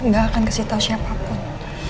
gak akan kasih tau siapapun